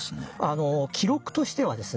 あの記録としてはですね